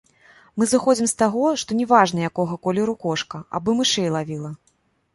Мы зыходзім з таго, што не важна якога колеру кошка, абы мышэй лавіла.